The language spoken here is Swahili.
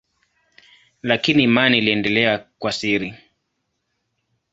Lakini imani iliendelea kwa siri.